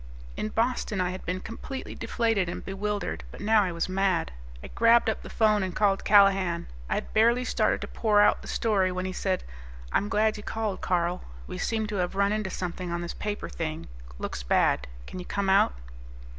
In Boston I had been completely deflated and bewildered, but now I was mad. I grabbed up the phone and called Callahan. I had barely started to pour out the story when he said, "I'm glad you called, Carl. We seem to have run into something on this paper thing. Looks bad. Can you come out?"